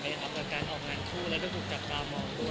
สบายใจขึ้นจากก่อนหน้านี้ไหม